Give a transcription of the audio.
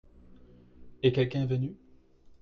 Et quelqu'un est venu ?